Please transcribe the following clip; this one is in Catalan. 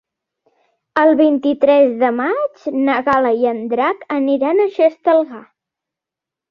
El vint-i-tres de maig na Gal·la i en Drac aniran a Xestalgar.